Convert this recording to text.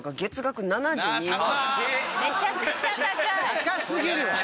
高すぎるわ。